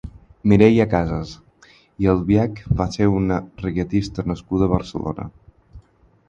Mireia Casas i Albiach va ser una regatista nascuda a Barcelona.